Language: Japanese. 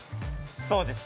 そうです。